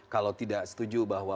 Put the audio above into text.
kalau tidak setuju bahwa